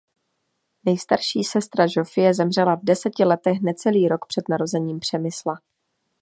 Nejstarší sestra Žofie zemřela v deseti letech necelý rok před narozením Přemysla.